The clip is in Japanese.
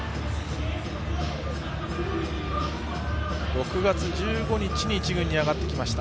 ６月１６日に１軍に上がってきました。